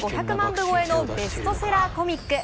部超えのベストセラーコミック。